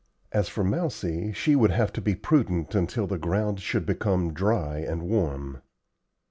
As for Mousie, she would have to be prudent until the ground should become dry and warm.